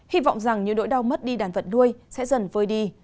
hy vọng rằng những nỗi đau mất đi đàn vật nuôi sẽ dần vơi đi